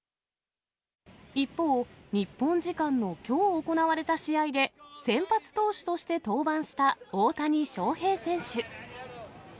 一方、日本時間のきょう行われた試合で、先発投手として登板した大谷翔平選手。